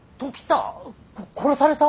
殺された！？